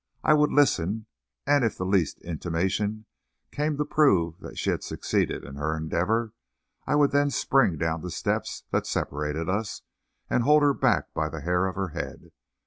I would listen, and if the least intimation came to prove that she had succeeded in her endeavor, I would then spring down the steps that separated us and hold her back by the hair of her head.